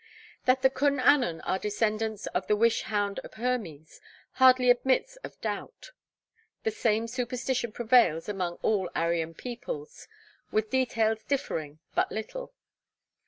That the Cwn Annwn are descendants of the wish hound of Hermes, hardly admits of doubt. The same superstition prevails among all Aryan peoples, with details differing but little.